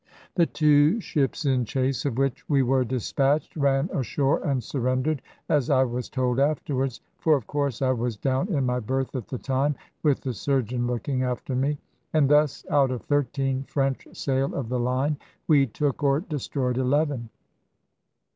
The two ships, in chase of which we were despatched, ran ashore and surrendered, as I was told afterwards (for of course I was down in my berth at the time, with the surgeon looking after me); and thus out of thirteen French sail of the line, we took or destroyed eleven.